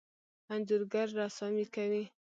انځورګر رسامي کوي.